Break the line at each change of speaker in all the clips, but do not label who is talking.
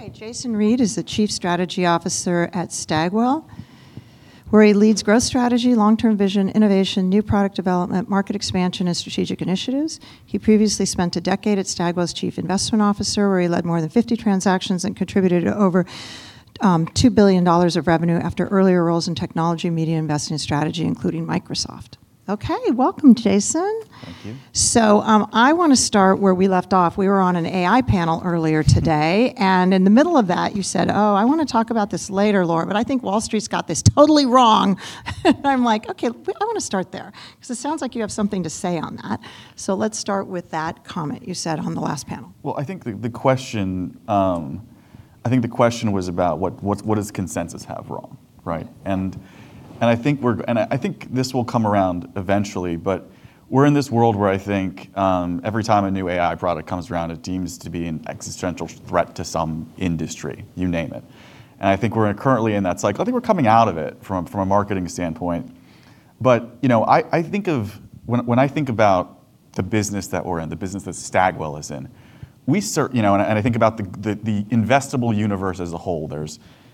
Okay. Jason Reid is the Chief Strategy Officer at Stagwell, where he leads growth strategy, long-term vision, innovation, new product development, market expansion, and strategic initiatives. He previously spent a decade as Stagwell's Chief Investment Officer, where he led more than 50 transactions and contributed to over $2 billion of revenue after earlier roles in technology and media investing and strategy, including Microsoft. Okay. Welcome, Jason.
Thank you.
I wanna start where we left off. We were on an AI panel earlier today. In the middle of that you said, "I wanna talk about this later, Laura, but I think Wall Street's got this totally wrong." I'm like, "Okay, I wanna start there," 'cause it sounds like you have something to say on that. Let's start with that comment you said on the last panel.
Well, I think the question was about what does consensus have wrong, right? I think this will come around eventually, but we're in this world where I think every time a new AI product comes around, it deems to be an existential threat to some industry, you name it. I think we're currently in that cycle. I think we're coming out of it from a marketing standpoint. You know, I think about the business that we're in, the business that Stagwell is in, you know, I think about the investable universe as a whole.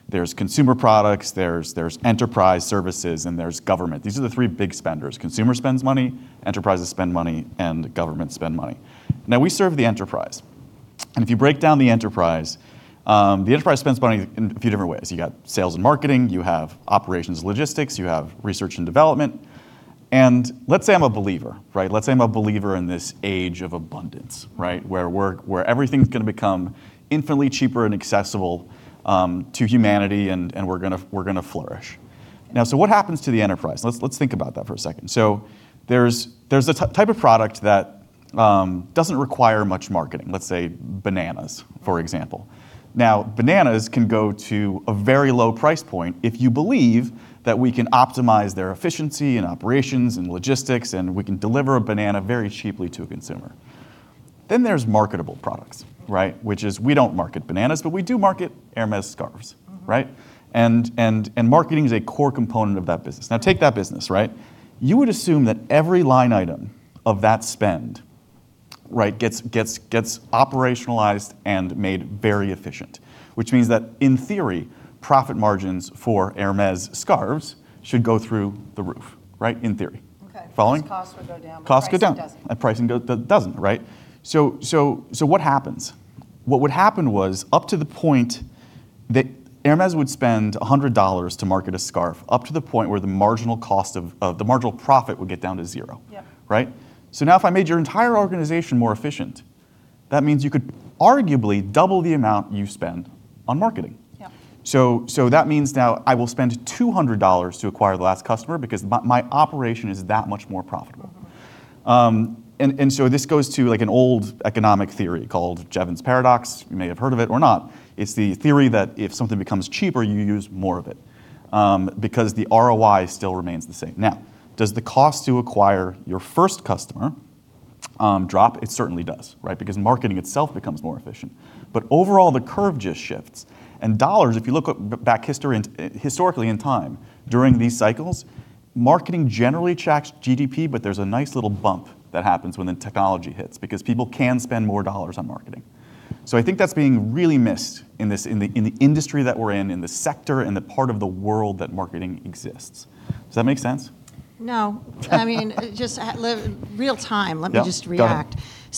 There's consumer products, there's enterprise services, and there's government. These are the three big spenders. Consumer spends money, enterprises spend money, and governments spend money. We serve the enterprise. If you break down the enterprise, the enterprise spends money in a few different ways. You got sales and marketing, you have operations and logistics, you have research and development. Let's say I'm a believer, right? Let's say I'm a believer in this age of abundance, right? Where everything's gonna become infinitely cheaper and accessible to humanity, and we're gonna flourish. What happens to the enterprise? Let's think about that for a second. There's a type of product that doesn't require much marketing. Let's say bananas, for example. Bananas can go to a very low price point if you believe that we can optimize their efficiency and operations and logistics, and we can deliver a banana very cheaply to a consumer. There's marketable products, right? Which is we don't market bananas, but we do market Hermès scarves. Right? Marketing is a core component of that business. Now, take that business, right? You would assume that every line item of that spend, right, gets operationalized and made very efficient. Which means that, in theory, profit margins for Hermès scarves should go through the roof, right? In theory.
Okay.
Following?
Costs would go down.
Costs go down.
Pricing doesn't.
Pricing go, doesn't, right? What happens? What would happen was up to the point that Hermès would spend $100 to market a scarves, up to the point where the marginal cost of the marginal profit would get down to zero.
Yeah.
Right? Now if I made your entire organization more efficient, that means you could arguably double the amount you spend on marketing.
Yeah.
That means now I will spend $200 to acquire the last customer because my operation is that much more profitable. This goes to, like, an old economic theory called Jevons Paradox. You may have heard of it or not. It's the theory that if something becomes cheaper, you use more of it because the ROI still remains the same. Now, does the cost to acquire your first customer drop? It certainly does, right? Because marketing itself becomes more efficient. Overall, the curve just shifts. Dollars, if you look up back history historically in time during these cycles, marketing generally tracks GDP, but there's a nice little bump that happens when the technology hits because people can spend more dollars on marketing. I think that's being really missed in this, in the industry that we're in the sector, in the part of the world that marketing exists. Does that make sense?
No. I mean, just real time.
Yeah, got it.
Let me just react.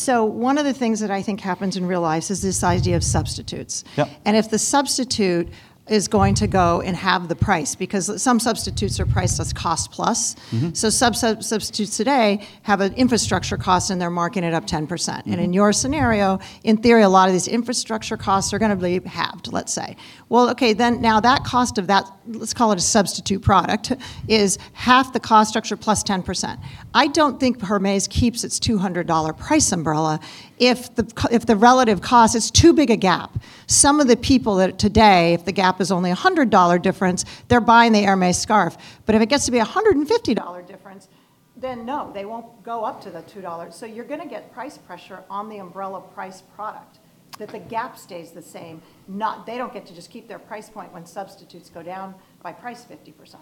One of the things that I think happens in real life is this idea of substitutes.
Yeah.
If the substitute is going to go and have the price, because some substitutes are priced as cost plus. Substitutes today have an infrastructure cost and they're marking it up 10%. In your scenario, in theory, a lot of these infrastructure costs are going to be halved, let's say. Okay, now that cost of that, let's call it a substitute product, is half the cost structure plus 10%. I don't think Hermès keeps its $200 price umbrella if the relative cost is too big a gap. Some of the people that today, if the gap is only $100 difference, they're buying the Hermès scarves. If it gets to be $150 difference, then no, they won't go up to the $200. You're going to get price pressure on the umbrella price product, that the gap stays the same, not They don't get to just keep their price point when substitutes go down by price 50%.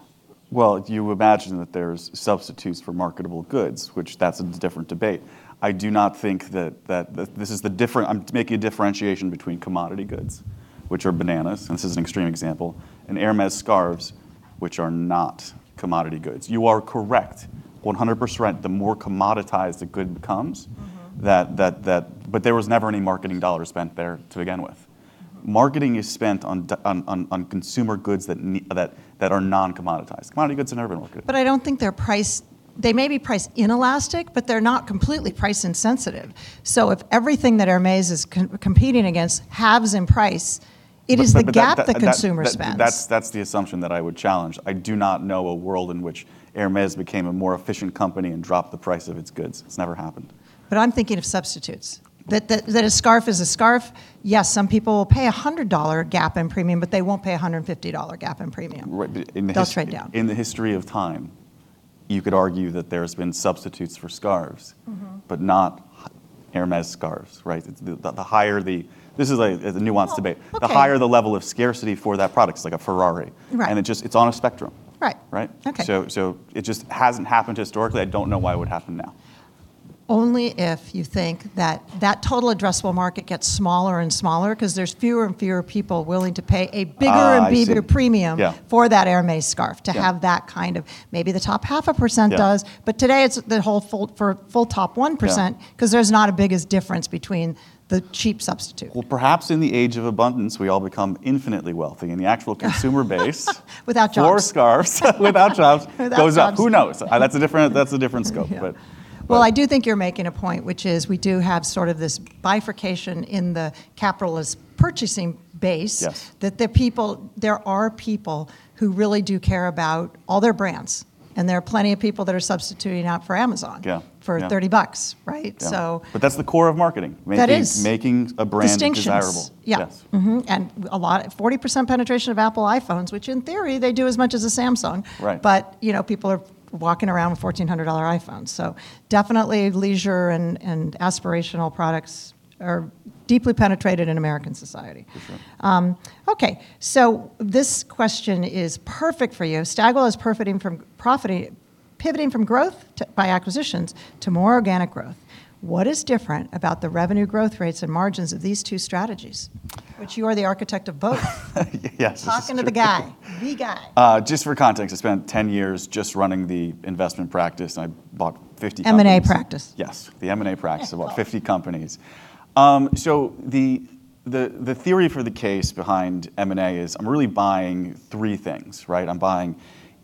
Well, if you imagine that there's substitutes for marketable goods, which that's a different debate, I do not think that this is the different I'm making a differentiation between commodity goods, which are bananas, and this is an extreme example, and Hermès scarves, which are not commodity goods. You are correct 100%, the more commoditized the good becomes. That there was never any marketing dollars spent there to begin with. Marketing is spent on consumer goods that are non-commoditized. Commodity goods are never gonna work here.
I don't think they're priced They may be priced inelastic, but they're not completely price insensitive. If everything that Hermès is competing against halves in price.
but that
the consumer spends.
That's the assumption that I would challenge. I do not know a world in which Hermès became a more efficient company and dropped the price of its goods. It's never happened.
I'm thinking of substitutes. That a scarve is a scarve, yes, some people will pay $100 gap in premium, but they won't pay $150 gap in premium.
Right.
They'll trade down.
in the history of time, you could argue that there's been substitutes for scarves. Not Hermès scarves, right? This is a nuanced debate.
Oh, okay.
The higher the level of scarcity for that product, it's like a Ferrari.
Right.
It just, it's on a spectrum.
Right.
Right?
Okay.
It just hasn't happened historically. I don't know why it would happen now.
Only if you think that total addressable market gets smaller and smaller, 'cause there's fewer and fewer people willing to pay a bigger.
I see.
and bigger
Yeah
for that Hermès scarves
Yeah
To have that kind of, maybe the top half a percent does.
Yeah.
Today it's the whole for full top 1%.
Yeah
'cause there's not as big as difference between the cheap substitute.
Well, perhaps in the age of abundance, we all become infinitely wealthy, and the actual consumer base.
Without jobs.
scarves without jobs.
Without jobs.
goes up. Who knows? that's a different, that's a different scope.
Yeah.
But, but-
Well, I do think you're making a point, which is we do have sort of this bifurcation in the capitalist purchasing base.
Yes
that the people, there are people who really do care about all their brands, and there are plenty of people that are substituting out for Amazon.
Yeah, yeah.
for $30, right?
Yeah.
So-
That's the core of marketing.
That is.
Making a brand desirable.
Distinctions. Yeah.
Yes.
A lot of 40% penetration of Apple iPhones, which in theory they do as much as a Samsung.
Right.
You know, people are walking around with $1,400 iPhones, so definitely leisure and aspirational products are deeply penetrated in American society. This question is perfect for you. Stagwell is profiting pivoting from growth by acquisitions to more organic growth. What is different about the revenue growth rates and margins of these two strategies? You are the architect of both.
Yes, this is true.
Talking to the guy. The guy.
Just for context, I spent 10 years just running the investment practice, and I bought 50 companies.
M&A practice.
Yes, the M&A practice.
Yeah.
Bought 50 companies. The theory for the case behind M&A is I'm really buying three things, right? I'm buying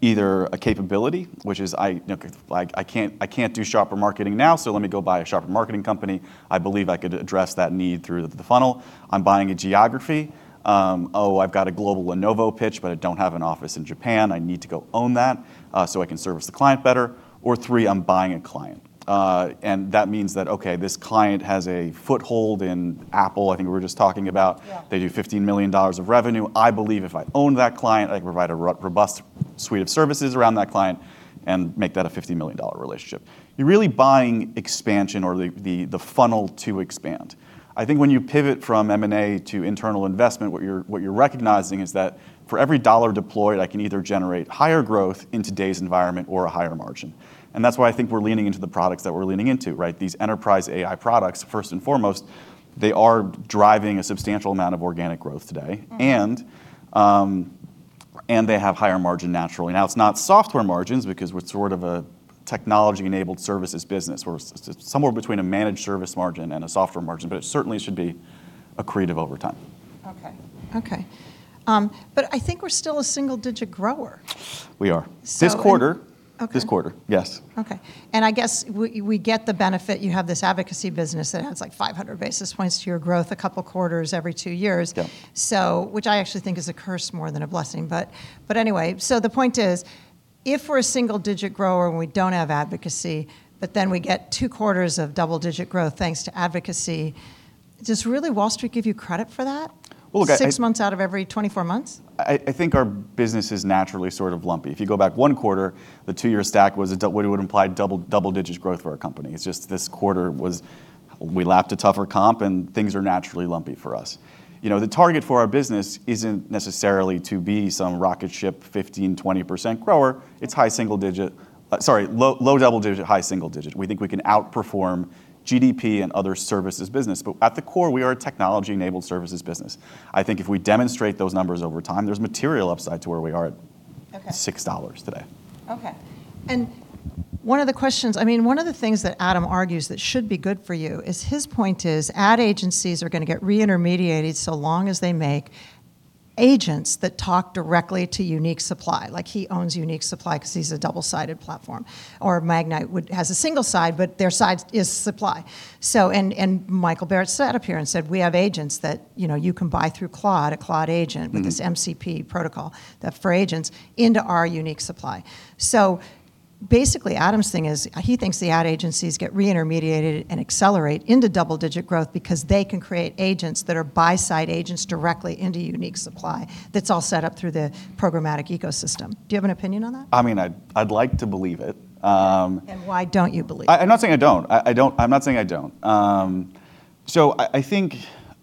either a capability, which is I, you know, like I can't, I can't do shopper marketing now, let me go buy a shopper marketing company. I believe I could address that need through the funnel. I'm buying a geography. I've got a global Lenovo pitch, I don't have an office in Japan. I need to go own that, I can service the client better. Three, I'm buying a client. That means that, okay, this client has a foothold in Apple, I think we were just talking about.
Yeah.
They do $15 million of revenue. I believe if I own that client, I can provide a robust suite of services around that client and make that a $50 million relationship. You're really buying expansion or the funnel to expand. I think when you pivot from M&A to internal investment, what you're recognizing is that for every dollar deployed, I can either generate higher growth in today's environment or a higher margin, and that's why I think we're leaning into the products that we're leaning into, right? These enterprise AI products, first and foremost, they are driving a substantial amount of organic growth today. They have higher margin naturally. Now, it is not software margins because we are sort of a technology-enabled services business. We are somewhere between a managed service margin and a software margin, but it certainly should be accretive over time.
Okay. Okay. I think we're still a single-digit grower.
We are.
So-
This quarter.
Okay.
This quarter, yes.
Okay. I guess we get the benefit, you have this advocacy business that adds like 500 basis points to your growth a couple quarters every two years.
Yeah.
Which I actually think is a curse more than a blessing. Anyway, the point is, if we're a single-digit grower and we don't have advocacy, we get two quarters of double-digit growth thanks to advocacy, does really Wall Street give you credit for that?
Well, okay.
6 months out of every 24 months?
I think our business is naturally sort of lumpy. If you go back one quarter, the two-year stack would imply double-digit growth for our company. We lapped a tougher comp, and things are naturally lumpy for us. You know, the target for our business isn't necessarily to be some rocket ship 15%, 20% grower. It's high single digit, sorry, low double digit, high single digit. We think we can outperform GDP and other services business. At the core, we are a technology-enabled services business. I think if we demonstrate those numbers over time, there's material upside to where we are at.
Okay
6 hours there.
Okay. One of the questions I mean, one of the things that Adam argues that should be good for you is his point is ad agencies are going to get re-intermediated so long as they make agents that talk directly to unique supply. Like, he owns unique supply 'cause he's a double-sided platform. Magnite has a single side, but their side is supply. Michael Barrett sat up here and said, "We have agents that, you know, you can buy through Claude, a Claude agent. with this MCP protocol that for agents into our unique supply. Basically, Adam's thing is he thinks the ad agencies get re-intermediated and accelerate into double-digit growth because they can create agents that are buy-side agents directly into Unique Supply that's all set up through the programmatic ecosystem. Do you have an opinion on that?
I mean, I'd like to believe it.
Yeah. Why don't you believe it?
I'm not saying I don't. I'm not saying I don't.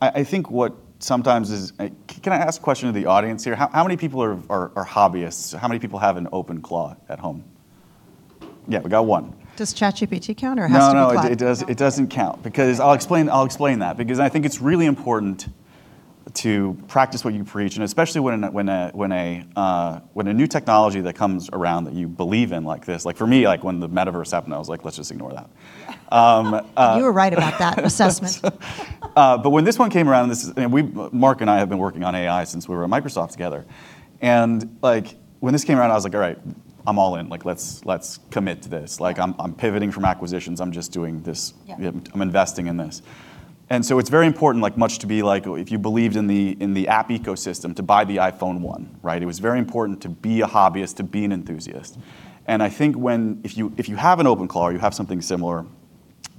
I think what sometimes is can I ask a question of the audience here? How many people are hobbyists? How many people have an Open Claude at home? Yeah, we got one.
Does ChatGPT count or it has to be Claude?
No, no, it doesn't count because I'll explain that because I think it's really important to practice what you preach, and especially when a new technology that comes around that you believe in like this. Like for me, like when the metaverse happened, I was like, "Let's just ignore that.
You were right about that assessment.
When this one came around, we, Mark Penn and I have been working on AI since we were at Microsoft together, like when this came around, I was like, "All right. I'm all in." Like, "Let's commit to this. Like, I'm pivoting from acquisitions. I'm just doing this.
Yeah.
I'm investing in this. It's very important, like much to be like if you believed in the app ecosystem, to buy the iPhone 1, right? It was very important to be a hobbyist, to be an enthusiast, and I think when if you have an open Claude or you have something similar,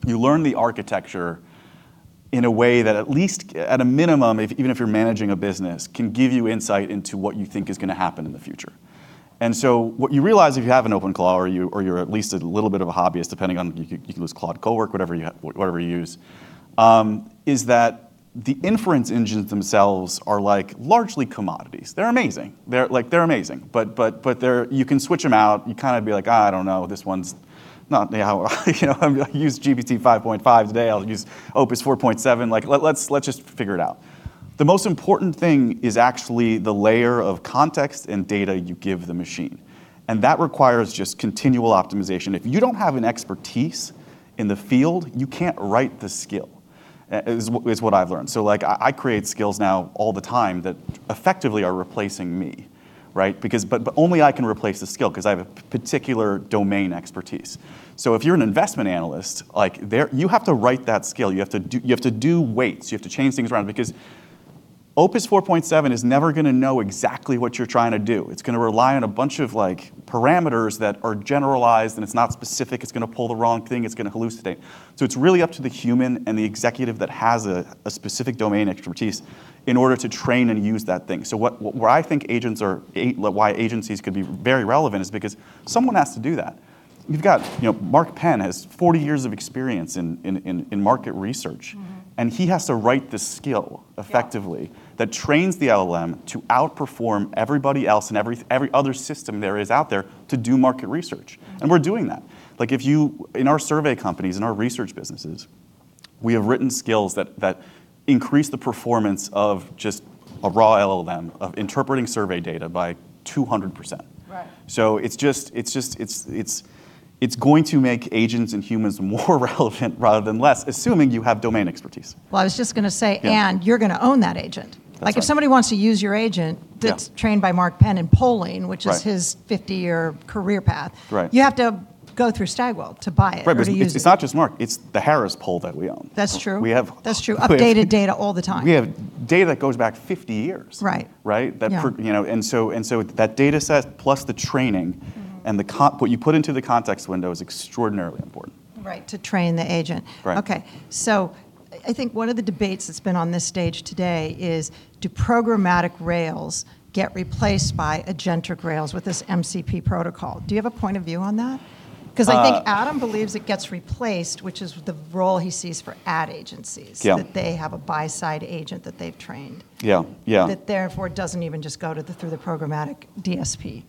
you learn the architecture in a way that at least at a minimum, if even if you're managing a business, can give you insight into what you think is gonna happen in the future. What you realize if you have an open Claude or you're at least a little bit of a hobbyist, depending on you can use Claude, Cohere, whatever you use, is that. The inference engines themselves are like largely commodities. They're amazing. They're, like, they're amazing, but you can switch them out and kind of be like, "I don't know. This one's not how you know, I'm gonna use GPT-5.5 today. I'll use Opus 4.7. Like, let's just figure it out." The most important thing is actually the layer of context and data you give the machine. That requires just continual optimization. If you don't have an expertise in the field, you can't write the skill, is what I've learned. Like, I create skills now all the time that effectively are replacing me, right? But only I can replace the skill 'cause I have a particular domain expertise. If you're an investment analyst, like, there, you have to write that skill. You have to do weights. You have to change things around because Opus 4.7 is never gonna know exactly what you're trying to do. It's gonna rely on a bunch of, like, parameters that are generalized, and it's not specific. It's gonna pull the wrong thing. It's gonna hallucinate. It's really up to the human and the executive that has a specific domain expertise in order to train and use that thing. What, where I think agents are why agencies could be very relevant is because someone has to do that. You've got, you know, Mark Penn has 40 years of experience in market research. he has to write the skill effectively.
Yeah
that trains the LLM to outperform everybody else and every other system there is out there to do market research. We're doing that. In our survey companies, in our research businesses, we have written skills that increase the performance of just a raw LLM of interpreting survey data by 200%.
Right.
It's just going to make agents and humans more relevant rather than less, assuming you have domain expertise.
Well, I was just gonna say-
Yeah
You're gonna own that agent. Like, if somebody wants to use your agent.
Yeah
that's trained by Mark Penn in polling.
Right
his 50-year career path.
Right
you have to go through Stagwell to buy it or use it.
Right, it's not just Mark. It's The Harris Poll that we own.
That's true.
We have-
That's true.
But
Updated data all the time.
We have data that goes back 50 years.
Right.
Right?
Yeah
You know, that data set plus the training. What you put into the context window is extraordinarily important.
Right, to train the agent.
Right.
Okay. I think one of the debates that's been on this stage today is do programmatic rails get replaced by agentic rails with this MCP protocol? Do you have a point of view on that?
Uh-
‘Cause I think Adam believes it gets replaced, which is the role he sees for ad agencies.
Yeah.
They have a buy-side agent that they've trained.
Yeah, yeah.
That therefore doesn't even just go through the programmatic DSP.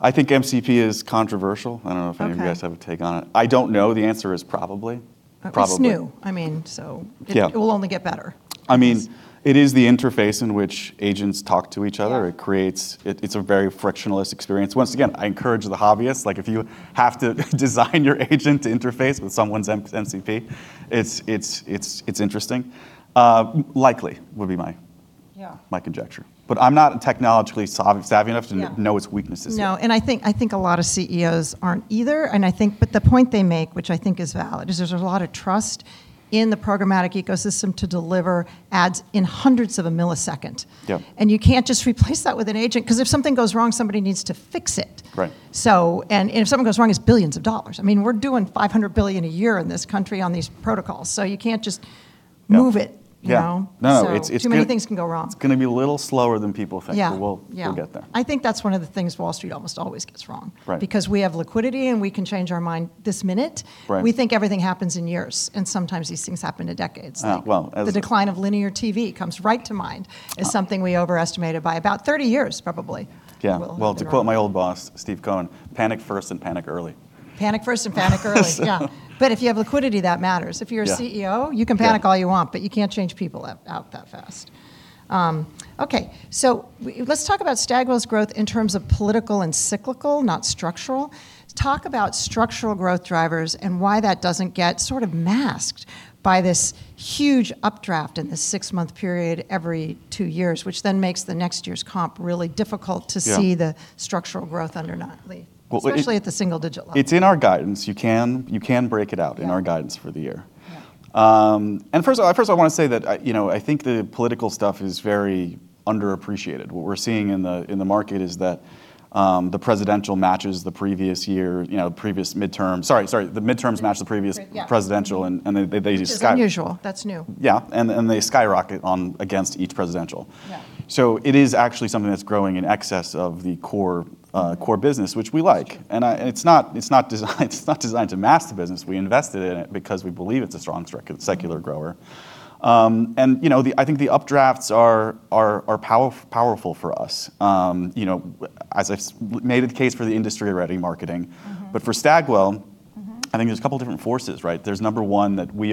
I think MCP is controversial. I don't know if any of you guys.
Okay
have a take on it. I don't know. The answer is probably. Probably.
It's new. I mean.
Yeah
It will only get better.
I mean, it is the interface in which agents talk to each other.
Yeah.
It creates, it's a very frictionless experience. Once again, I encourage the hobbyists. Like, if you have to design your agent to interface with someone's MCP, it's interesting. likely would be.
Yeah
my conjecture. I'm not technologically savvy enough to.
No
know its weaknesses yet.
No. I think a lot of CEOs aren't either. I think the point they make, which I think is valid, is there's a lot of trust in the programmatic ecosystem to deliver ads in hundreds of a millisecond.
Yeah.
You can't just replace that with an agent 'cause if something goes wrong, somebody needs to fix it.
Right.
If something goes wrong, it's billions of dollars. I mean, we're doing $500 billion a year in this country on these protocols.
No
move it, you know?
Yeah. No, it's.
Too many things can go wrong.
it's gonna be a little slower than people think.
Yeah, yeah.
We'll get there.
I think that's one of the things Wall Street almost always gets wrong.
Right.
We have liquidity, and we can change our mind this minute.
Right.
We think everything happens in years, and sometimes these things happen in decades.
Well,
The decline of linear TV comes right to mind as something we overestimated by about 30 years probably.
Yeah.
We'll, we'll-
Well, to quote my old boss, Steve Cohen, "Panic first and panic early.
Panic first and panic early.
So
Yeah. If you have liquidity, that matters.
Yeah.
If you're a CEO, you can panic all you want, but you can't change people out that fast. Okay, let's talk about Stagwell's growth in terms of political and cyclical, not structural. Talk about structural growth drivers and why that doesn't get sort of masked by this huge updraft in this six-month period every two years, which then makes the next year's comp really difficult to see-
Yeah
the structural growth underneath, especially at the single-digit level.
It's in our guidance. You can break it out in our guidance for the year.
Yeah.
First I wanna say that I, you know, I think the political stuff is very underappreciated. What we're seeing in the market is that the presidential matches the previous year, you know, Sorry.
Yeah
presidential, and they.
Which is unusual. That's new.
Yeah, and they skyrocket on, against each presidential.
Yeah.
It is actually something that's growing in excess of the core core business, which we like. It's not designed to mask the business. We invested in it because we believe it's a strong secular grower. You know, I think the updrafts are powerful for us. You know, as I've made the case for the industry already marketing. For Stagwell I think there's a couple different forces, right? There's number one, that we've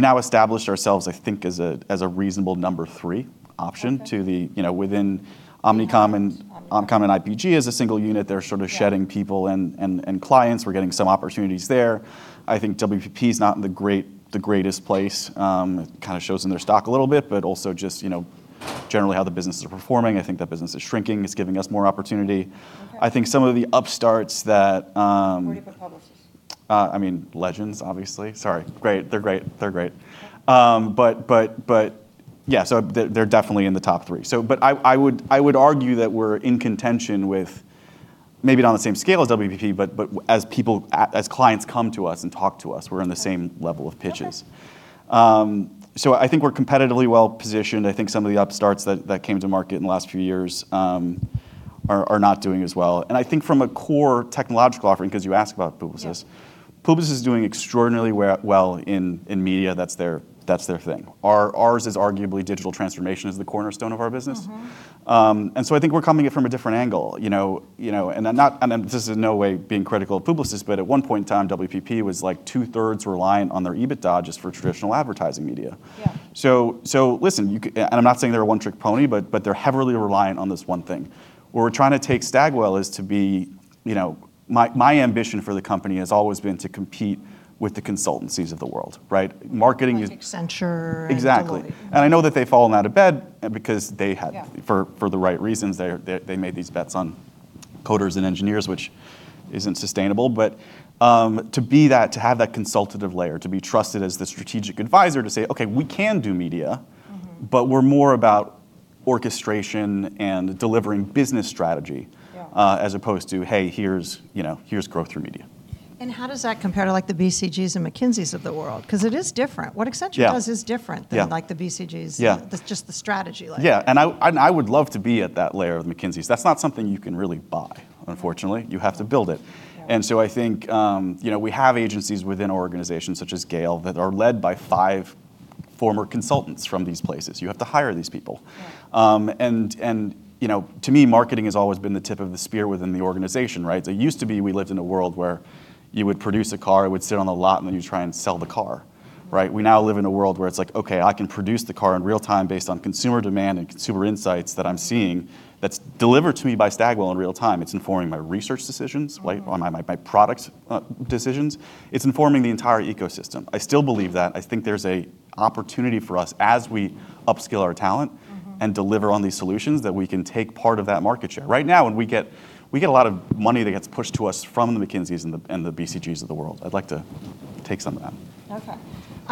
now established ourselves, I think, as a reasonable number three option.
Okay
to the, you know, within Omnicom.
Yeah
Omnicom and IPG as a single unit.
Yeah.
people and clients. We're getting some opportunities there. I think WPP is not in the greatest place. It kind of shows in their stock a little bit, but also just, you know, generally how the businesses are performing. I think that business is shrinking. It's giving us more opportunity.
Okay.
I think some of the upstarts that.
What about Publicis?
I mean, Legends obviously. Sorry. Great. They're great. They're great. But yeah, they're definitely in the top three. But I would argue that we're in contention with maybe not on the same scale as WPP, but as people as clients come to us and talk to us, we're on the same level of pitches.
Okay.
I think we're competitively well-positioned. I think some of the upstarts that came to market in the last few years are not doing as well. I think from a core technological offering, 'cause you asked about Publicis.
Yeah.
Publicis is doing extraordinarily well in media. That's their thing. Ours is arguably digital transformation is the cornerstone of our business. I think we're coming it from a different angle, you know. Not, this is no way being critical of Publicis, but at one point in time, WPP was, like, two-thirds reliant on their EBITDA just for traditional advertising media.
Yeah.
Listen, and I'm not saying they're a one-trick pony, but they're heavily reliant on this one thing. Where we're trying to take Stagwell is to be, you know, my ambition for the company has always been to compete with the consultancies of the world, right? Marketing is-
Like Accenture and Deloitte.
Exactly.
Yeah.
I know that they've fallen out of bed.
Yeah
for the right reasons. They made these bets on coders and engineers, which isn't sustainable. To be that, to have that consultative layer, to be trusted as the strategic advisor to say, "Okay, we can do media. We're more about orchestration and delivering business strategy.
Yeah
as opposed to, "Hey, here's, you know, here's growth through media.
How does that compare to, like, the BCGs and McKinseys of the world? It is different.
Yeah.
What Accenture does is different.
Yeah
than, like, the BCGs.
Yeah
Just the strategy layer.
Yeah. I would love to be at that layer of McKinsey's. That's not something you can really buy, unfortunately.
Yeah.
You have to build it.
Yeah.
I think, you know, we have agencies within organizations such as Gale that are led by five former consultants from these places. You have to hire these people.
Right.
You know, to me, marketing has always been the tip of the spear within the organization, right? It used to be we lived in a world where you would produce a car, it would sit on the lot, and then you'd try and sell the car, right? We now live in a world where it's like, okay, I can produce the car in real time based on consumer demand and consumer insights that I'm seeing that's delivered to me by Stagwell in real time. It's informing my research decisions, right? On my product decisions. It's informing the entire ecosystem. I still believe that. I think there's a opportunity for us as we up-skill our talent. Deliver on these solutions, that we can take part of that market share. Right now, we get a lot of money that gets pushed to us from the McKinseys and the BCGs of the world. I'd like to take some of that.
Okay.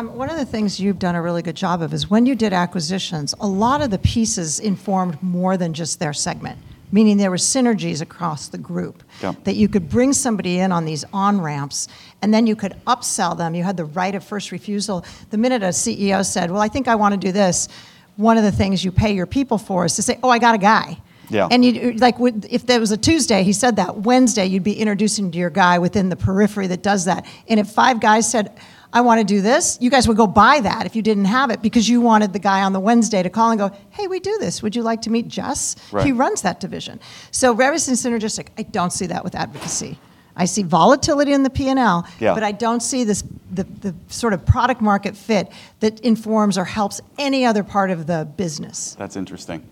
One of the things you've done a really good job of is when you did acquisitions, a lot of the pieces informed more than just their segment. Meaning there were synergies across the group.
Yeah
that you could bring somebody in on these on-ramps, and then you could upsell them. You had the right of first refusal. The minute a CEO said, "Well, I think I wanna do this," one of the things you pay your people for is to say, "Oh, I got a guy.
Yeah.
You'd, like, would If there was a Tuesday he said that, Wednesday you'd be introducing to your guy within the periphery that does that. If five guys said, "I wanna do this," you guys would go buy that if you didn't have it because you wanted the guy on the Wednesday to call and go, "Hey, we do this. Would you like to meet Jess?
Right.
He runs that division." Very synergistic. I don't see that with advocacy. I see volatility in the P&L.
Yeah
I don't see this, the sort of product market fit that informs or helps any other part of the business.
That's interesting.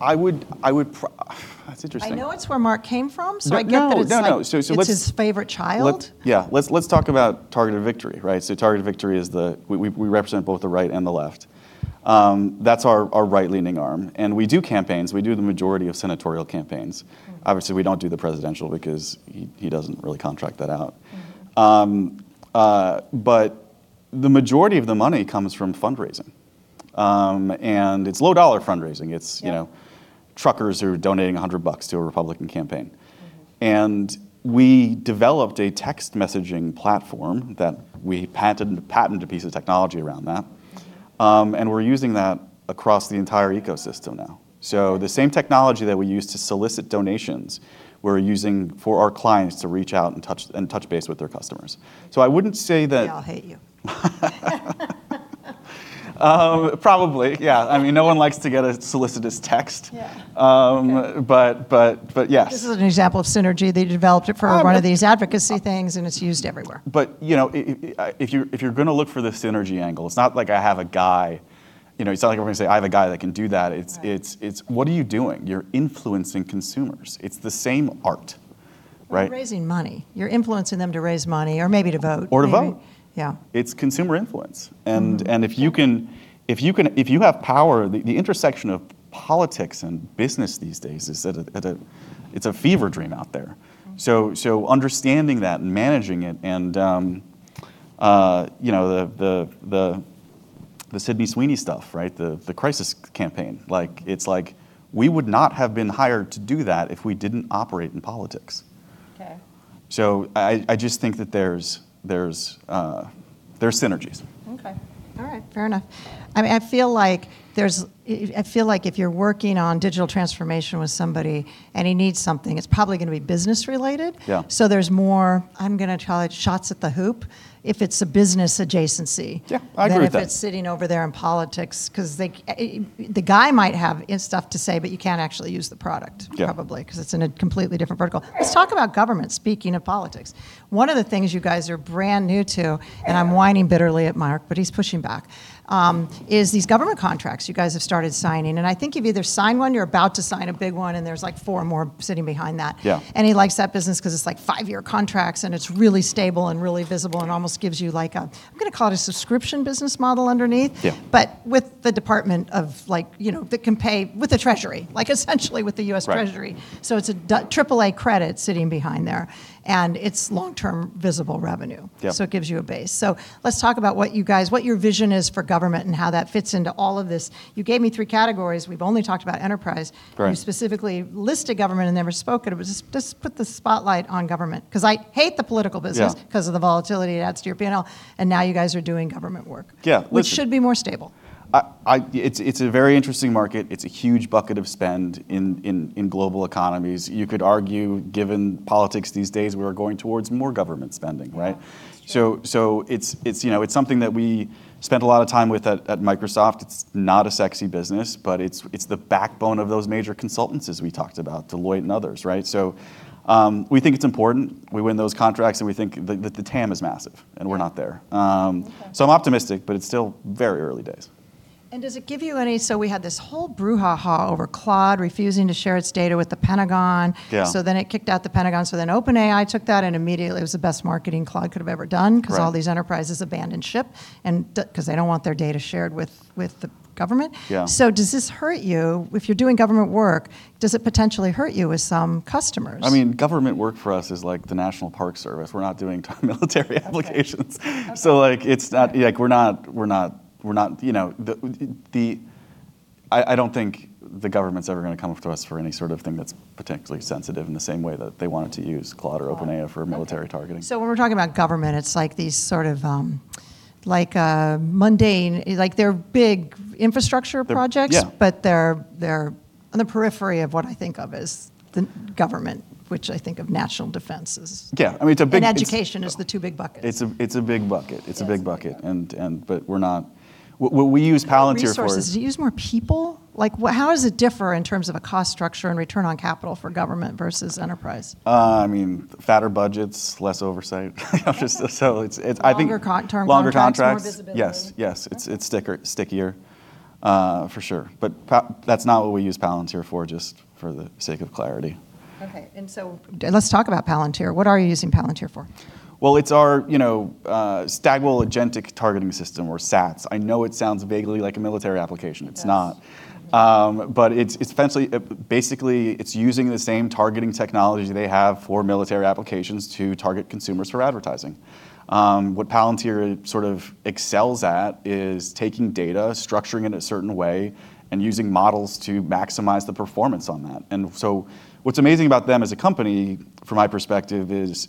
I would That's interesting.
I know it's where Mark came from.
No. No, no
I get that it's.
let's-
it's his favorite child.
Let's, yeah, let's talk about Targeted Victory, right? Targeted Victory is we represent both the right and the left. That's our right-leaning arm. We do campaigns. We do the majority of senatorial campaigns. Obviously we don't do the presidential because he doesn't really contract that out. The majority of the money comes from fundraising, and it's low dollar fundraising. It's, you know. truckers who are donating $100 to a Republican campaign. We developed a text messaging platform that we patented a piece of technology around that. We're using that across the entire ecosystem now. The same technology that we use to solicit donations we're using for our clients to reach out and touch base with their customers. I wouldn't say that.
They all hate you.
Probably, yeah. I mean, no one likes to get a solicitous text.
Yeah.
Yes.
This is an example of synergy. They developed it for one of these advocacy things, and it's used everywhere.
You know, if you're gonna look for the synergy angle, it's not like I have a guy, you know, it's not like we're gonna say, "I have a guy that can do that.
Right.
It's what are you doing? You're influencing consumers. It's the same art, right?
You're raising money. You're influencing them to raise money or maybe to vote.
to vote.
Maybe. Yeah.
It's consumer influence. If you can, if you have power, the intersection of politics and business these days, it's a fever dream out there. Understanding that and managing it and, you know, the Sydney Sweeney stuff, right? The crisis campaign. Like, it's like we would not have been hired to do that if we didn't operate in politics.
Okay.
I just think that there's synergies.
Okay. All right, fair enough. I mean, I feel like there's I feel like if you're working on digital transformation with somebody and he needs something, it's probably gonna be business related.
Yeah.
There's more, I'm going to call it shots at the hoop, if it's a business adjacency.
Yeah, I agree with that.
than if it's sitting over there in politics. 'Cause the guy might have stuff to say, but you can't actually use the product.
Yeah
probably, because it's in a completely different vertical. Let's talk about government, speaking of politics. One of the things you guys are brand new to, and I'm whining bitterly at Mark, but he's pushing back, is these government contracts you guys have started signing. I think you've either signed one, you're about to sign a big one, and there's, like, four more sitting behind that.
Yeah.
He likes that business 'cause it's, like, five-year contracts, and it's really stable and really visible and almost gives you, like, I'm gonna call it a subscription business model underneath.
Yeah.
with the department of, like, you know, that can pay, with the Treasury. essentially with the U.S. Treasury.
Right.
It's a AAA credit sitting behind there, and it's long-term visible revenue.
Yeah.
It gives you a base. Let's talk about what you guys, what your vision is for government and how that fits into all of this. You gave me three categories. We've only talked about enterprise. You specifically listed government and never spoke it. It was just put the spotlight on government, 'cause I hate the political business.
Yeah
'cause of the volatility it adds to your P&L, and now you guys are doing government work.
Yeah
which should be more stable.
It's a very interesting market. It's a huge bucket of spend in global economies. You could argue, given politics these days, we are going towards more government spending, right? So it's, you know, it's something that we spent a lot of time with at Microsoft. It's not a sexy business, but it's the backbone of those major consultancies we talked about, Deloitte and others, right? We think it's important. We win those contracts, and we think the TAM is massive, and we're not there.
Yeah. Okay.
I'm optimistic, but it's still very early days.
We had this whole brouhaha over Claude refusing to share its data with the Pentagon.
Yeah.
It kicked out the Pentagon, OpenAI took that, immediately it was the best marketing Claude could have ever done.
Right
'cause all these enterprises abandoned ship, and 'cause they don't want their data shared with the government.
Yeah.
Does this hurt you? If you're doing government work, does it potentially hurt you with some customers?
I mean, government work for us is, like, the National Park Service. We're not doing military applications.
Okay. Okay.
like, it's not Yeah, we're not You know, the I don't think the government's ever gonna come to us for any sort of thing that's potentially sensitive in the same way that they wanted to use Claude or OpenAI for military targeting.
Claude. Okay. When we're talking about government, it's like these sort of, like, mundane, they're big infrastructure projects.
Yeah.
They're on the periphery of what I think of as the government, which I think of national defense.
Yeah, I mean.
education as the two big buckets.
It's a big bucket.
Yes.
It's a big bucket.
Yeah.
we're not What we use Palantir for.
More resources. Do you use more people? Like, How does it differ in terms of a cost structure and return on capital for government versus enterprise?
I mean, fatter budgets, less oversight.
Okay.
it's
Longer term contracts.
Longer contracts
more visibility.
Yes, yes.
Okay.
It's stickier for sure. That's not what we use Palantir for, just for the sake of clarity.
Okay. Let's talk about Palantir. What are you using Palantir for?
Well, it's our, you know, Stagwell agentic targeting system, or SATS. I know it sounds vaguely like a military application.
Yes.
It's not. It's essentially, basically it's using the same targeting technology they have for military applications to target consumers for advertising. What Palantir sort of excels at is taking data, structuring it a certain way, and using models to maximize the performance on that. What's amazing about them as a company, from my perspective, is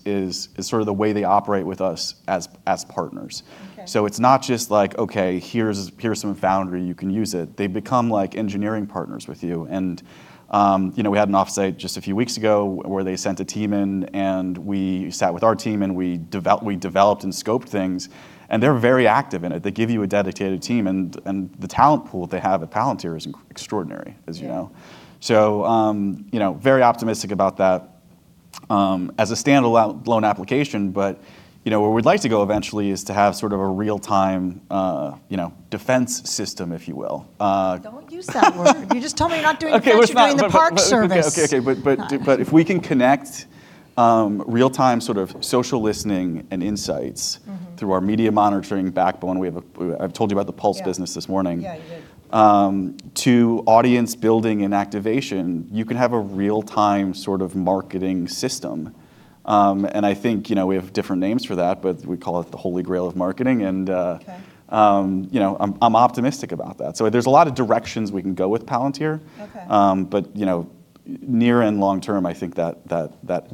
sort of the way they operate with us as partners.
Okay.
It's not just like, "Okay, here's some Foundry. You can use it." They become like engineering partners with you. You know, we had an offsite just a few weeks ago where they sent a team in, and we sat with our team, and we developed and scoped things, and they're very active in it. They give you a dedicated team, and the talent pool that they have at Palantir is extraordinary, as you know.
Yeah.
you know, very optimistic about that as a standalone application, but, you know, where we'd like to go eventually is to have sort of a real time, defense system, if you will.
Don't use that word. You just told me you're not doing defense.
Okay, we're not.
You're doing the Park Service.
Okay. If we can connect, real time sort of social listening and insights. through our media monitoring backbone, I've told you about the In-Pulse business this morning.
Yeah. Yeah, you did
To audience building and activation, you can have a real time sort of marketing system. I think, you know, we have different names for that, but we call it the holy grail of marketing.
Okay
You know, I'm optimistic about that. There's a lot of directions we can go with Palantir.
Okay.
You know, near and long term, I think that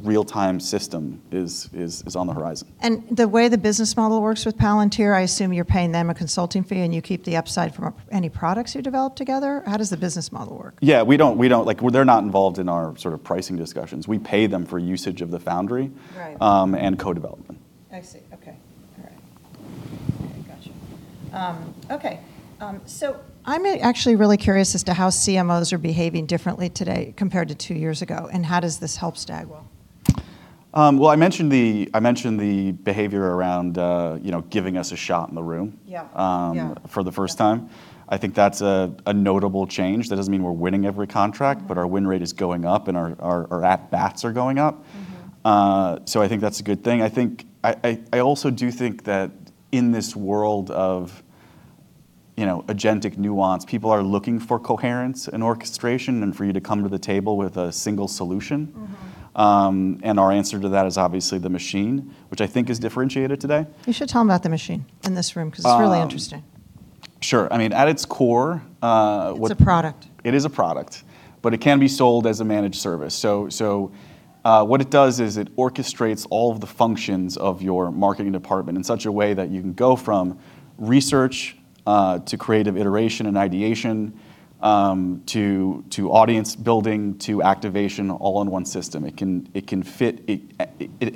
real time system is on the horizon.
The way the business model works with Palantir, I assume you're paying them a consulting fee, and you keep the upside from any products you develop together? How does the business model work?
Yeah, we don't Like, they're not involved in our sort of pricing discussions. We pay them for usage of the Foundry-
Right
co-development.
I see. Okay. All right. Gotcha. Okay. I'm actually really curious as to how CMOs are behaving differently today compared to two years ago, and how does this help Stagwell?
Well, I mentioned the behavior around, you know, giving us a shot in the room.
Yeah. Yeah
for the first time. I think that's a notable change. That doesn't mean we're winning every contract. Our win rate is going up, and our at bats are going up. I think that's a good thing. I think I also do think that in this world of, you know, agentic nuance, people are looking for coherence and orchestration and for you to come to the table with a single solution. Our answer to that is obviously The Machine, which I think is differentiated today.
You should tell them about The Machine in this room, 'cause it's really interesting.
sure. I mean, at its core,
It's a product.
it is a product, but it can be sold as a managed service. What it does is it orchestrates all of the functions of your marketing department in such a way that you can go from research to creative iteration and ideation to audience building, to activation all on one system. It can fit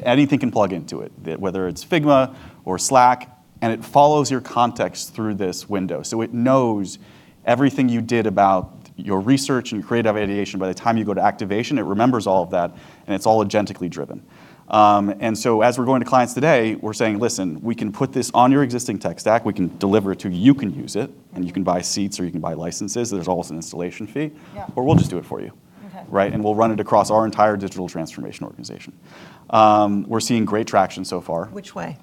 anything can plug into it, whether it's Figma or Slack, and it follows your context through this window, so it knows everything you did about your research and creative ideation. By the time you go to activation, it remembers all of that, and it's all agentically driven. As we're going to clients today, we're saying, "Listen, we can put this on your existing tech stack. We can deliver it to you. You can use it, and you can buy seats or you can buy licenses. There's always an installation fee.
Yeah.
We'll just do it for you.
Okay.
Right? "We'll run it across our entire digital transformation organization." We're seeing great traction so far.
Which way?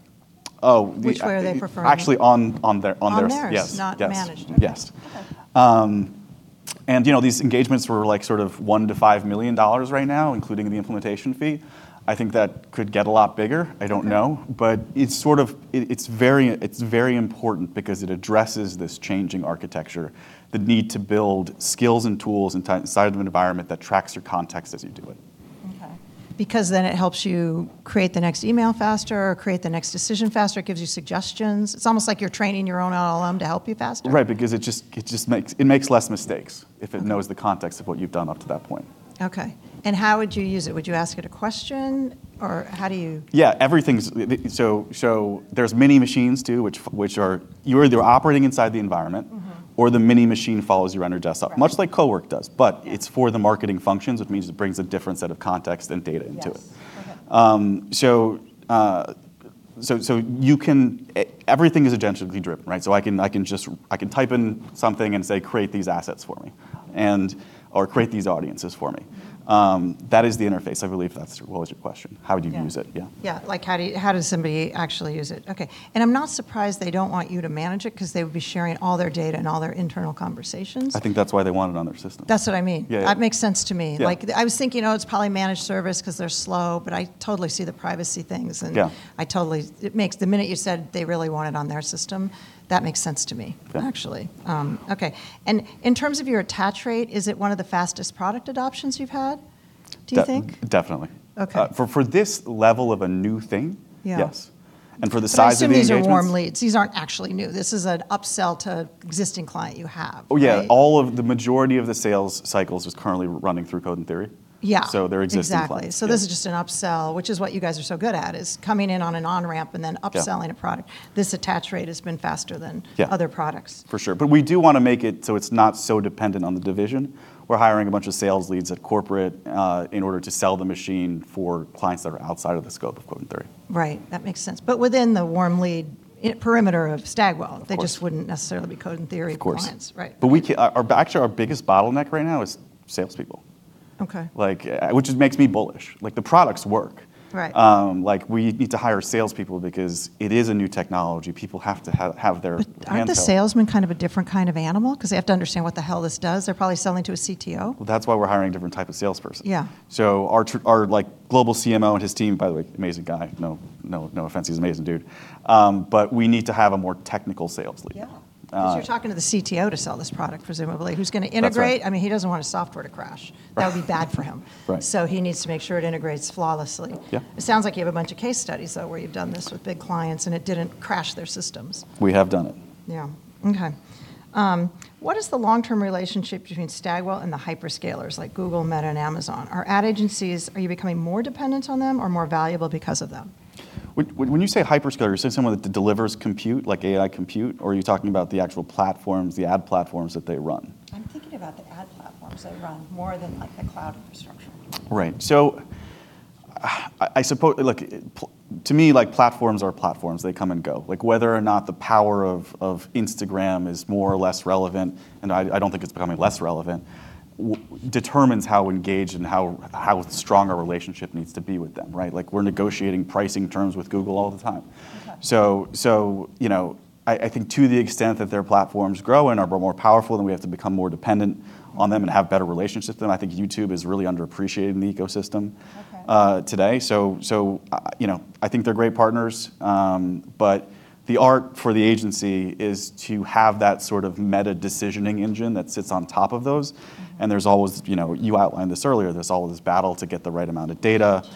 Oh-
Which way are they preferring?
Actually on their.
On theirs-
Yes. Yes.
not managed. Okay.
Yes.
Okay.
You know, these engagements were, like, sort of $1 million-$5 million right now, including the implementation fee. I think that could get a lot bigger. I don't know.
Okay.
It's sort of very important because it addresses this changing architecture, the need to build skills and tools inside of an environment that tracks your context as you do it.
It helps you create the next email faster or create the next decision faster, it gives you suggestions. It's almost like you're training your own LLM to help you faster?
Right, because it just makes less mistakes.
Okay
if it knows the context of what you've done up to that point.
Okay. How would you use it? Would you ask it a question?
Yeah. Everything's. There's mini machines too, which are You're either operating inside the environment- The mini machine follows you around your desktop.
Right.
Much like Cowork does.
Yeah
it's for the marketing functions, which means it brings a different set of context and data into it.
Yes. Okay.
You can, everything is agentively driven, right? I can just type in something and say, "Create these assets for me," and or, "Create these audiences for me." That is the interface, I believe that's What was your question? How would you use it?
Yeah.
Yeah.
Yeah. Like, how does somebody actually use it? Okay. I'm not surprised they don't want you to manage it, 'cause they would be sharing all their data and all their internal conversations.
I think that's why they want it on their system.
That's what I mean.
Yeah, yeah.
That makes sense to me.
Yeah.
Like, I was thinking, oh, it's probably managed service 'cause they're slow, but I totally see the privacy things.
Yeah
The minute you said they really want it on their system, that makes sense to me.
Yeah.
Actually. Okay. In terms of your attach rate, is it one of the fastest product adoptions you've had, do you think?
Definitely.
Okay.
For this level of a new thing.
Yeah
yes.
I assume these are warm leads. These aren't actually new. This is an upsell to existing client you have, right?
Oh, yeah. All of the majority of the sales cycles is currently running through Code and Theory.
Yeah.
They're existing clients.
Exactly.
Yeah.
This is just an upsell, which is what you guys are so good at, is coming in on an on-ramp and then upselling-
Yeah
a product. This attach rate has been faster than.
Yeah
other products.
For sure. We do wanna make it so it's not so dependent on the division. We're hiring a bunch of sales leads at corporate in order to sell The Machine for clients that are outside of the scope of Code and Theory.
Right. That makes sense. Within the warm lead perimeter of Stagwell.
Of course.
They just wouldn't necessarily be Code and Theory clients.
Of course.
Right.
Our actually our biggest bottleneck right now is salespeople.
Okay.
Like, which is, makes me bullish. Like, the products work.
Right.
Like, we need to hire salespeople because it is a new technology. People have to have their hands held.
Aren't the salesmen kind of a different kind of animal, 'cause they have to understand what the hell this does? They're probably selling to a CTO.
Well, that's why we're hiring a different type of salesperson.
Yeah.
Our, like, global CMO and his team, by the way, amazing guy, no offense, he's an amazing dude. We need to have a more technical sales lead.
Yeah.
Um-
You're talking to the CTO to sell this product, presumably, who's gonna integrate.
That's right.
I mean, he doesn't want his software to crash.
Right.
That would be bad for him.
Right.
He needs to make sure it integrates flawlessly.
Yeah.
It sounds like you have a bunch of case studies though, where you've done this with big clients and it didn't crash their systems.
We have done it.
Yeah. Okay. What is the long-term relationship between Stagwell and the hyperscalers, like Google, Meta, and Amazon? Are you becoming more dependent on them or more valuable because of them?
When you say hyperscaler, you're saying someone that delivers compute, like AI compute, or are you talking about the actual platforms, the ad platforms that they run?
I'm thinking about the ad platforms they run more than, like, the claude infrastructure.
Right. I suppose, look, like, platforms are platforms. They come and go. Like, whether or not the power of Instagram is more or less relevant, and I don't think it's becoming less relevant, determines how engaged and how strong a relationship needs to be with them, right? Like, we're negotiating pricing terms with Google all the time.
Okay.
You know, I think to the extent that their platforms grow and are more powerful, then we have to become more dependent on them and have better relationships with them. I think YouTube is really underappreciated in the ecosystem.
Okay
today. You know, I think they're great partners. The art for the agency is to have that sort of meta decisioning engine that sits on top of those, and there's always You know, you outlined this earlier. Its always a battle to get the ready made data.
Yes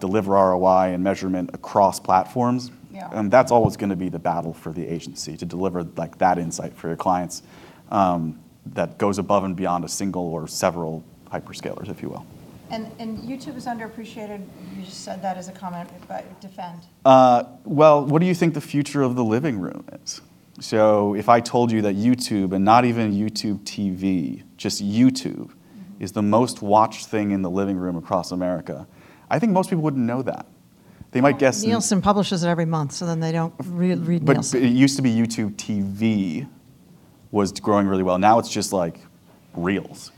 deliver ROI and measurement across platforms.
Yeah.
That's always gonna be the battle for the agency, to deliver, like, that insight for your clients, that goes above and beyond a single or several hyperscalers, if you will.
YouTube is underappreciated. You just said that as a comment, defend.
Well, what do you think the future of the living room is? If I told you that YouTube, and not even YouTube TV, just YouTube. is the most watched thing in the living room across America, I think most people wouldn't know that.
Well, Nielsen publishes it every month, they don't reread Nielsen.
It used to be YouTube TV was growing really well. Now it's just, like, reels,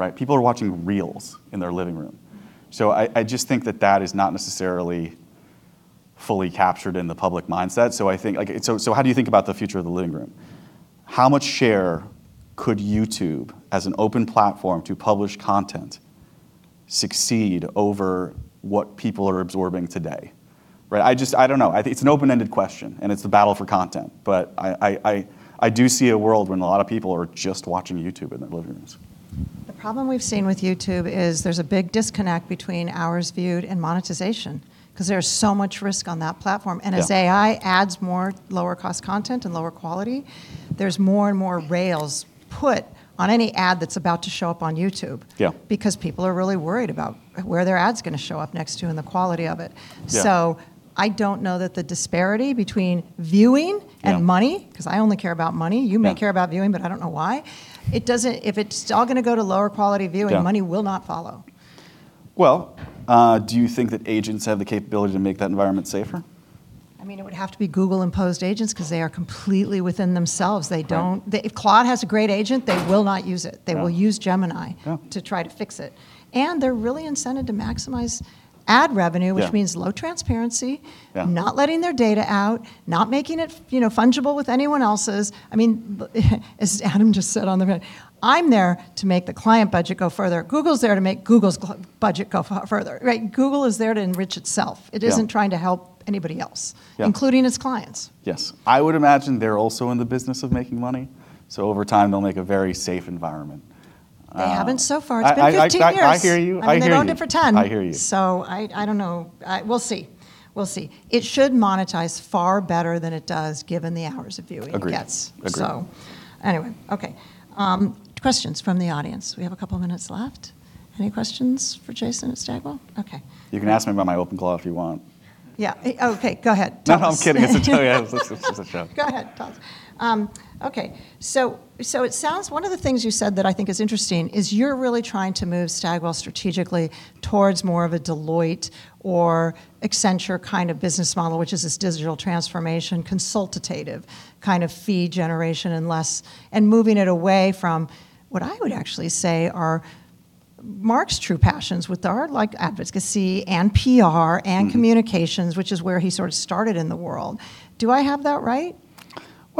right? People are watching reels in their living room. I just think that that is not necessarily fully captured in the public mindset. I think, like so, how do you think about the future of the living room? How much share could YouTube, as an open platform to publish content, succeed over what people are absorbing today, right? I just don't know. I think it's an open-ended question, it's a battle for content, I do see a world when a lot of people are just watching YouTube in their living rooms.
The problem we've seen with YouTube is there's a big disconnect between hours viewed and monetization, 'cause there's so much risk on that platform.
Yeah.
As AI adds more lower cost content and lower quality, there's more and more rails put on any ad that's about to show up on YouTube.
Yeah
People are really worried about where their ad's gonna show up next to and the quality of it.
Yeah.
I don't know that the disparity between viewing.
Yeah
Money, 'cause I only care about money.
Yeah.
You may care about viewing, but I don't know why. If it's all gonna go to lower quality viewing.
Yeah
money will not follow.
Well, do you think that agents have the capability to make that environment safer?
I mean, it would have to be Google-imposed agents, 'cause they are completely within themselves. They don't.
Right.
If Claude has a great agent, they will not use it.
Yeah.
They will use Gemini.
Yeah
to try to fix it. They're really incented to maximize ad revenue.
Yeah
which means low transparency.
Yeah
not letting their data out, not making it you know, fungible with anyone else's. I mean, as Adam just said on the panel, I'm there to make the client budget go further. Google's there to make Google's budget go further, right? Google is there to enrich itself.
Yeah.
It isn't trying to help anybody else.
Yeah
including its clients.
Yes. I would imagine they're also in the business of making money. Over time, they'll make a very safe environment.
They have been so far.
I, I-
It's been 15 years.
I hear you. I hear you.
I mean, they don't get for 10.
I hear you.
I don't know. We'll see. It should monetize far better than it does given the hours of viewing.
Agreed
it gets.
Agreed.
Anyway. Questions from the audience. We have a couple minutes left. Any questions for Jason at Stagwell?
You can ask me about my OpenClaw if you want.
Yeah. Okay, go ahead. Tell us.
No, I'm kidding. It's just a joke.
Go ahead. Tell us. Okay. It sounds, one of the things you said that I think is interesting is you're really trying to move Stagwell strategically towards more of a Deloitte or Accenture kind of business model, which is this digital transformation consultative kind of fee generation, moving it away from, what I would actually say are Mark's true passions are like advocacy and PR. Communications, which is where he sort of started in the world. Do I have that right?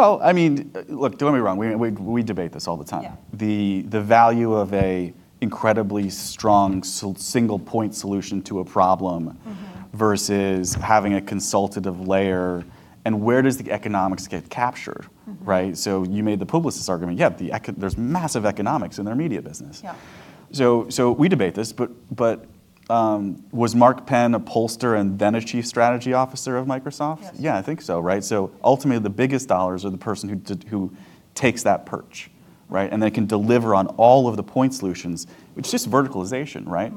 Well, I mean, look, don't get me wrong, we debate this all the time.
Yeah.
The value of a incredibly strong single point solution to a problem. versus having a consultative layer, and where does the economics get captured? Right. You made the Publicis argument. Yeah, there's massive economics in their media business.
Yeah.
We debate this, but was Mark Penn a pollster and then a Chief Strategy Officer of Microsoft?
Yes.
Yeah, I think so. Right? Ultimately, the biggest dollars are the person who takes that perch, right? They can deliver on all of the point solutions, which is verticalization, right?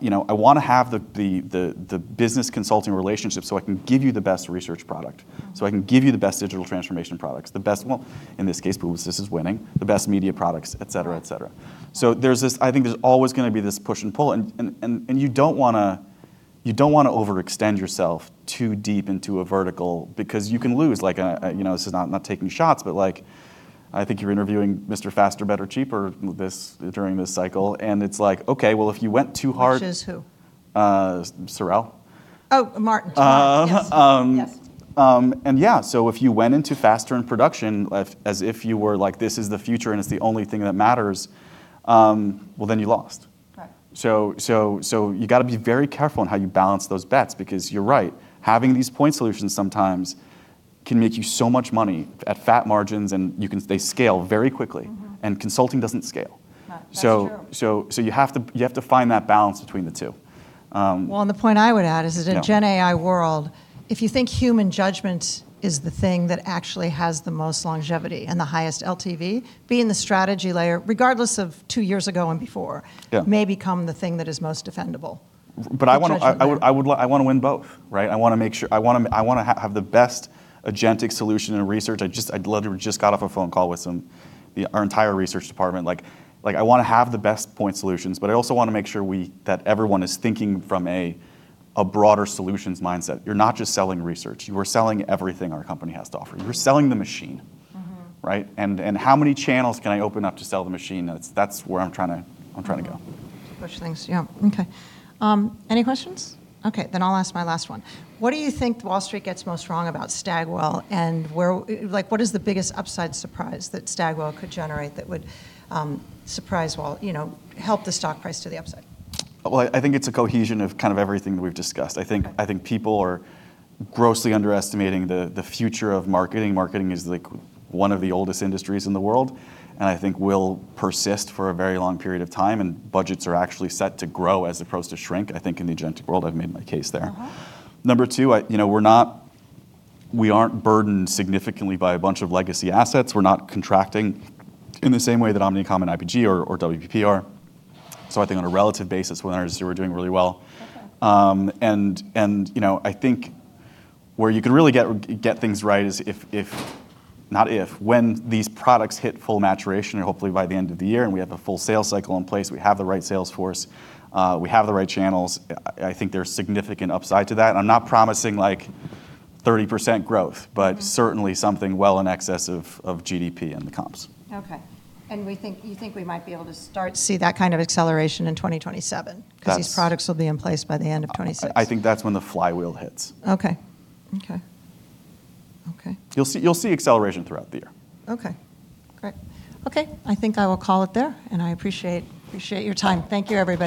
you know, I wanna have the business consulting relationship, so I can give you the best research product. I can give you the best digital transformation products, the best Well, in this case, Publicis is winning, the best media products, et cetera, et cetera. There's this I think there's always gonna be this push and pull, and you don't wanna, you don't wanna overextend yourself too deep into a vertical because you can lose. Like, you know, this is not taking shots, but, like, I think you're interviewing Mr. Faster, Better, Cheaper this, during this cycle, and it's like, okay, well, if you went too hard.
Which is who?
Sorrell.
Oh, Martin Sorrell.
Um-
Yes.
Um-
Yes
If you went into faster and production as if you were like, "This is the future, and it's the only thing that matters," then you lost.
Right.
You gotta be very careful on how you balance those bets because you're right. Having these point solutions sometimes can make you so much money at fat margins, and you can they scale very quickly. Consulting doesn't scale.
Right. That's true.
You have to find that balance between the two.
Well, and the point I would add is that.
Yeah
in GenAI world, if you think human judgment is the thing that actually has the most longevity and the highest LTV, being the strategy layer, regardless of two years ago and before.
Yeah
may become the thing that is most defendable.
But I wanna-
The judgment layer.
I would, I wanna win both, right? I wanna make sure I wanna have the best agentic solution and research. I literally just got off a phone call with our entire research department. I wanna have the best point solutions, but I also wanna make sure that everyone is thinking from a broader solutions mindset. You're not just selling research, you are selling everything our company has to offer. You're selling The Machine. Right? How many channels can I open up to sell The Machine? That's where I'm trying to go.
To push things. Yeah. Any questions? I'll ask my last one. What do you think Wall Street gets most wrong about Stagwell, and where like, what is the biggest upside surprise that Stagwell could generate that would surprise Wall you know, help the stock price to the upside?
Well, I think it's a cohesion of kind of everything that we've discussed. I think people are grossly underestimating the future of marketing. Marketing is, like, one of the oldest industries in the world, and I think will persist for a very long period of time, and budgets are actually set to grow as opposed to shrink, I think, in the agentic world. I've made my case there. Number two, you know, we aren't burdened significantly by a bunch of legacy assets. We're not contracting in the same way that Omnicom and IPG or WPP are. I think on a relative basis, we're doing really well.
Okay.
You know, I think where you can really get things right is not if, when these products hit full maturation, or hopefully by the end of the year, and we have the full sales cycle in place, we have the right sales force, we have the right channels, I think there's significant upside to that. I'm not promising, like, 30% growth. Certainly something well in excess of GDP in the comps.
Okay. We think, you think we might be able to start to see that kind of acceleration in 2027?
That's-
Because these products will be in place by the end of 2026.
I think that's when the flywheel hits.
Okay. Okay. Okay.
You'll see acceleration throughout the year.
Okay. Great. Okay, I think I will call it there. I appreciate your time. Thank you, everybody.